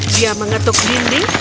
dia mengetuk dinding